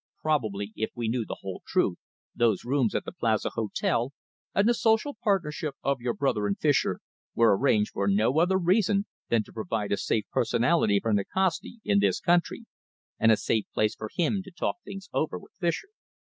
Probably, if we knew the whole truth, those rooms at the Plaza Hotel, and the social partnership of your brother and Fischer, were arranged for no other reason than to provide a safe personality for Nikasti in this country, and a safe place for him to talk things over with Fischer."